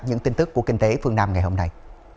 những tin tức của kinh tế phương nam ngày hôm nay